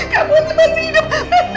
kamu tetep hidup